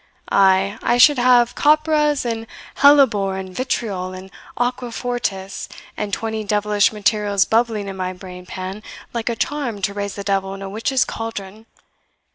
Ay, I should have copperas, and hellebore, and vitriol, and aqua fortis, and twenty devilish materials bubbling in my brain pan like a charm to raise the devil in a witch's cauldron.